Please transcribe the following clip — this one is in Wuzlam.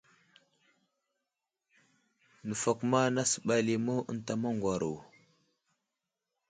Nəfakuma nasəɓay limu ənta maŋgwaro.